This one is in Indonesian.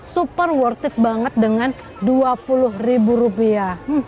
super worth it banget dengan dua puluh ribu rupiah